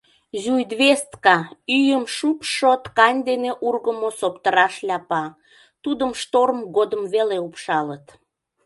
Зюйдвестка — ӱйым шупшшо ткань дене ургымо соптыра шляпа, тудым шторм годым веле упшалыт.